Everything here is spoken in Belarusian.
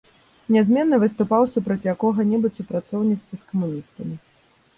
Нязменна выступаў супраць якога-небудзь супрацоўніцтва з камуністамі.